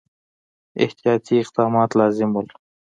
احتیاطي اقدامات لازم وه.